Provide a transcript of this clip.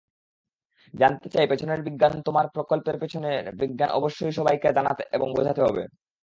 জানতে চাই পেছনের বিজ্ঞানতোমার প্রকল্পের পেছনের বিজ্ঞান অবশ্যই সবাইকে জানাতে এবং বোঝাতে হবে।